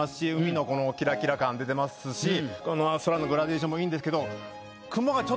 出てますし空のグラデーションもいいんですけど。